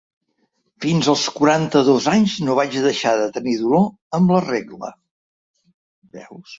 Fins als quaranta-dos anys no vaig deixar de tenir dolor amb la regla.